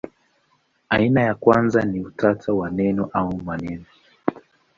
Aina ya kwanza ni utata wa neno au maneno.